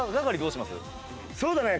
そうだね